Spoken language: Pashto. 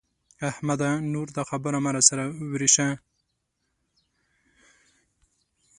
احمده! نور دا خبره مه را سره ورېشه.